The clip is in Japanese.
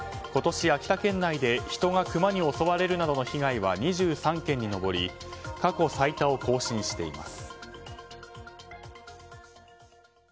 今年、秋田県内で人がクマに襲われるなどの被害は２３件に上り過去最多を更新しています。